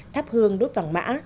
thắp hương đốt vẳng mã